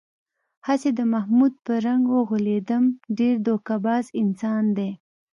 هسې د محمود په رنگ و غولېدم، ډېر دوکه باز انسان دی.